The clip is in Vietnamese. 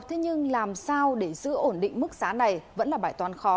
thế nhưng làm sao để giữ ổn định mức giá này vẫn là bài toán khó